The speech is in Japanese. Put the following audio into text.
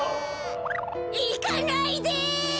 いかないで！